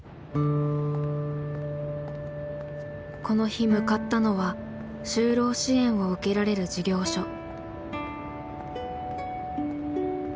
この日向かったのは就労支援を受けられる事業所。